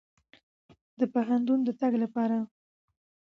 د پوهنتون د تګ لپاره.